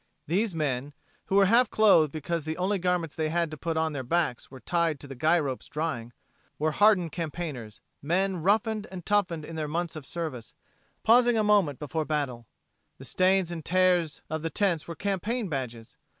These men, who were half clothed because the only garments they had to put upon their backs were tied to the guy ropes drying, were hardened campaigners; men, roughened and toughened in their months of service, pausing a moment before battle. The stains and tears of the tents were campaign badges.